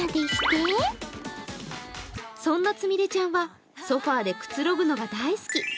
そんなつみれちゃんはソファーでくつろぐのが大好き。